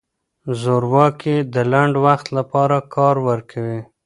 زورواکي د لنډ وخت لپاره کار ورکوي.